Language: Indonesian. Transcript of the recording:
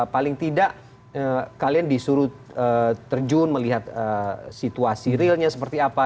paling tidak kalian disuruh terjun melihat situasi realnya seperti apa